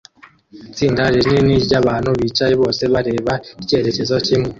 Itsinda rinini ryabantu bicaye bose bareba icyerekezo kimwe